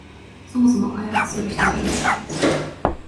そもそも開発する人がいない